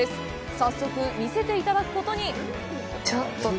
早速、見せていただくことに。